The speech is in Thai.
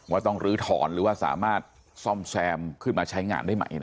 ต้องลื้อถอนหรือว่าสามารถซ่อมแซมขึ้นมาใช้งานได้ไหม